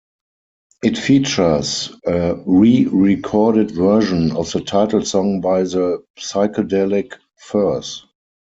It features a re-recorded version of the title song by The Psychedelic Furs.